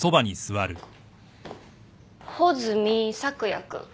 穂積朔也君。